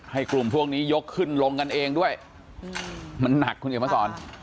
กลุ่มพวกนี้ยกขึ้นลงกันเองด้วยมันหนักคุณเขียนมาสอน